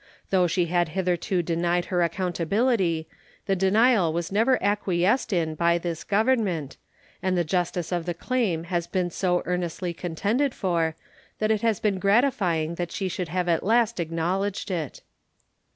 Though she had hitherto denied her accountability, the denial was never acquiesced in by this Government, and the justice of the claim has been so earnestly contended for that it has been gratifying that she should have at last acknowledged it.